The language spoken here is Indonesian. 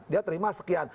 dia terima sekian